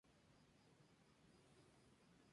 Vamos a tener más estadio que equipo de fútbol.